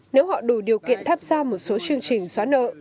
nếu họ đủ điều kiện tháp ra một số chương trình xóa nợ